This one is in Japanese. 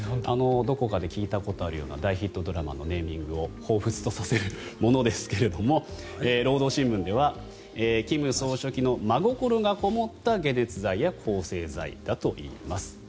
どこかで聞いたことあるような大ヒットドラマのネーミングをほうふつとさせるものですが労働新聞では金総書記の真心がこもった解熱剤や抗生剤だといいます。